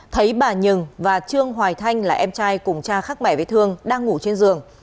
thấy bà nhường và trương hoài thanh là em trai cùng cha khác mẹ với thương đang ngủ trên giường